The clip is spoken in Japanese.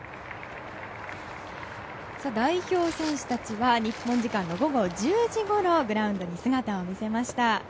代表選手たちは日本時間の午後１０時ごろグラウンドに姿を見せました。